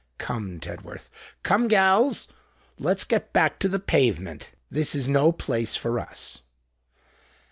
Come, Tedworth—come, gals: let's get back to the Pavement. This is no place for us."